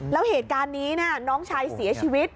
แล้วเหตุการณ์นี้น้องชายเสียชีวิต